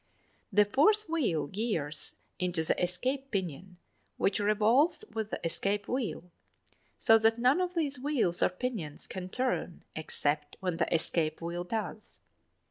The fourth wheel gears into the escape pinion which revolves with the escape wheel (5), so that none of these wheels or pinions can turn except when the escape wheel does.